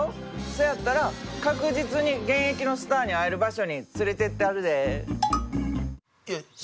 せやったら確実に現役のスターに会える場所に連れてったるで。